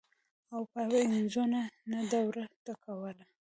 او پاينڅو نه دوړه ټکوهله